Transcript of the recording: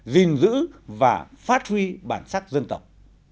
gìn giữ và phát huy bản sắc dân tộc